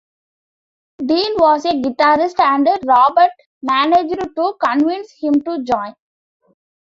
Dean was a guitarist and Robert managed to convince him to join.